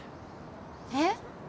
えっ？